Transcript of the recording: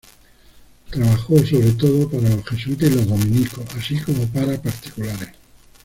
Trabajó sobre todo para los Jesuitas y los Dominicos, así como para particulares.